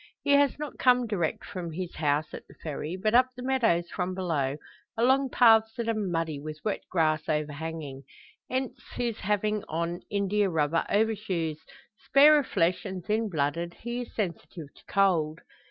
He has not come direct from his house at the Ferry, but up the meadows from below, along paths that are muddy, with wet grass overhanging. Hence his having on india rubber overshoes. Spare of flesh, and thin blooded, he is sensitive to cold.